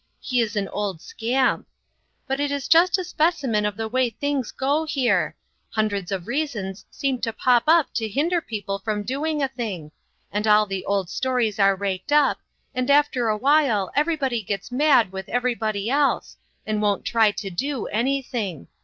He is an old scamp. But it is just a spec imen of the way things go here ; hundreds of reasons seem to pop up to hinder people from doing a thing; and all the old stories are raked up, and after awhile everybody gets mad with everybody else, and won't try to do anything.